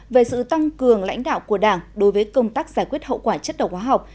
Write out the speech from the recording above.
về sự tăng cường lãnh đạo của đảng đối với công tác giải quyết hậu quả chất độc hóa học